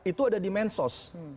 itu ada di mensos